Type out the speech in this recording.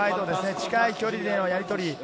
近い距離でのやりとり。